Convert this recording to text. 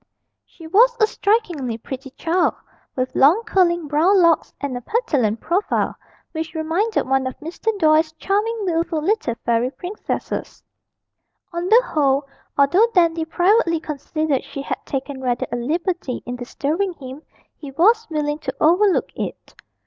She was a strikingly pretty child, with long curling brown locks, and a petulant profile, which reminded one of Mr. Doyle's charming wilful little fairy princesses. On the whole, although Dandy privately considered she had taken rather a liberty in disturbing him, he was willing to overlook it.